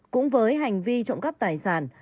cũng với hành vi trộm cắp tài sản